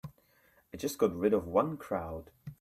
I just got rid of one crowd.